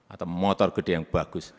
atau motor gede yang bagus